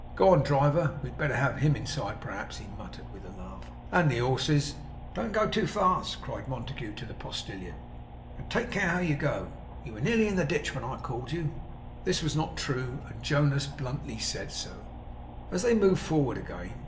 Go on, driver. We had better have HIM inside perhaps,' he muttered with a laugh; 'and the horses!' 'Don't go too fast,' cried Montague to the postillion; 'and take care how you go. You were nearly in the ditch when I called to you.' This was not true; and Jonas bluntly said so, as they moved forward again.